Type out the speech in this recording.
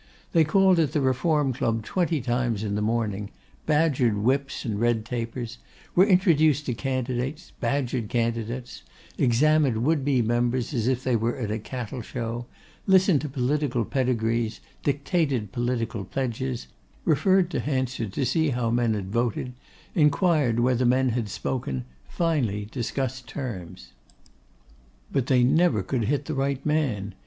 They called at the Reform Club twenty times in the morning, badgered whips and red tapers; were introduced to candidates, badgered candidates; examined would be members as if they were at a cattle show, listened to political pedigrees, dictated political pledges, referred to Hansard to see how men had voted, inquired whether men had spoken, finally discussed terms. But they never could hit the right man.